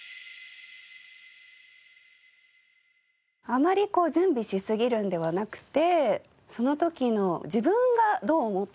あまり準備しすぎるんではなくてその時の自分がどう思ったかっていう。